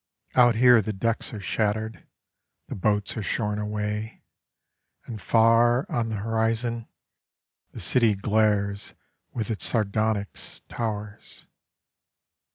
Out here the decks are shattered, The boats are shorn away, And far on the horizon, The city glares with its sardonyx towers.